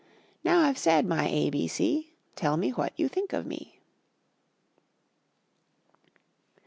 Now I've said my A, B, C, Tell me what you think of me.